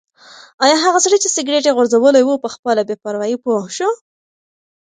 ایا هغه سړی چې سګرټ یې غورځولی و په خپله بې پروايي پوه شو؟